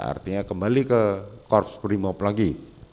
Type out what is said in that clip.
artinya kembali ke korps primop lagi